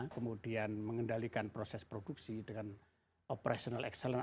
kemudian mengendalikan proses produksi dengan operational excellence